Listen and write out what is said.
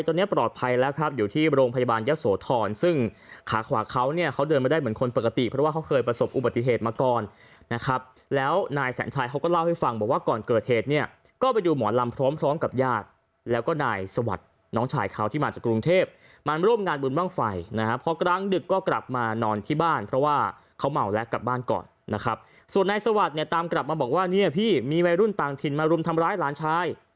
ตอนนี้ปลอดภัยแล้วครับอยู่ที่โรงพยาบาลยศโทรณ์ซึ่งขาขวาเขาเนี่ยเขาเดินไม่ได้เหมือนคนปกติเพราะว่าเขาเคยประสบอุบัติเหตุมาก่อนนะครับแล้วนายแสนชัยเขาก็เล่าให้ฟังบอกว่าก่อนเกิดเหตุเนี่ยก็ไปดูหมอลำพร้อมพร้อมกับญาติแล้วก็นายสวัสดิ์น้องชายเขาที่มาจากกรุงเทพฯมาร่วมงานบุญว่างไฟ